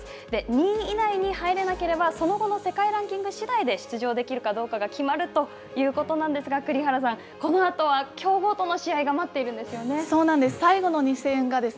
２位以内に入らなければ、その後の世界ランキング次第で出場できるかどうかが決まるということなんですが、栗原さん、このあとは強豪との試合が待っているんですそうなんです。